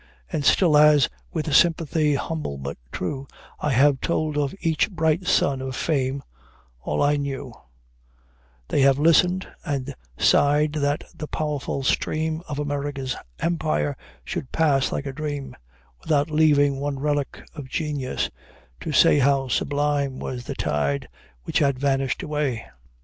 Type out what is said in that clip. And still, as with sympathy humble but true I have told of each bright son of fame all I knew, They have listened, and sighed that the powerful stream Of America's empire should pass like a dream, Without leaving one relic of genius, to say How sublime was the tide which had vanished away!"